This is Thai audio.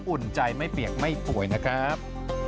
อุ่นใจไม่เปียกไม่ป่วยนะครับ